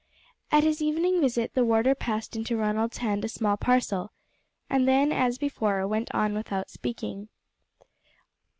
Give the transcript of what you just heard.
At his evening visit the warder passed into Ronald's hand a small parcel, and then, as before, went out without speaking.